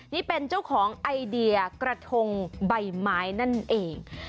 นี่เป็นเจ้าของไอเดียกระทงใบไม้นั่นเอง